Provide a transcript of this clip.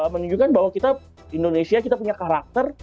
menunjukkan bahwa kita indonesia kita punya karakter